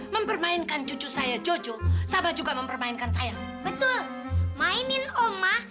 sampai jumpa di video selanjutnya